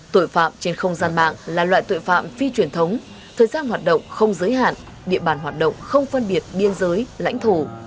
tội phạm trên không gian mạng là loại tội phạm phi truyền thống thời gian hoạt động không giới hạn địa bàn hoạt động không phân biệt biên giới lãnh thổ